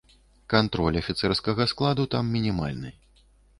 Кантроль афіцэрскага складу там мінімальны.